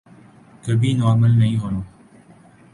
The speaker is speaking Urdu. کبھی نارمل نہیں ہونا۔